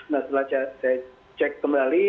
nah setelah saya cek kembali